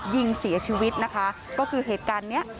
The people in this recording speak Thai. ยิงเสียชีวิตนะคะก็คือเหตุการณ์เนี้ย